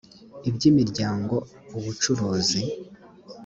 iby imiryango ubucuruzi